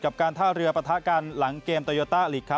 กับการท่าเรือประทะกันหลังเกมโตโยตาลีก